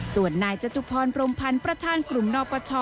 ส่วนนายจตุพรพรมพันธ์ประธานกลุ่มนปช